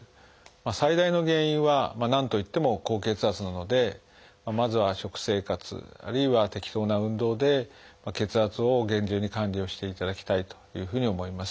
最大の原因は何といっても高血圧なのでまずは食生活あるいは適当な運動で血圧を厳重に管理をしていただきたいというふうに思います。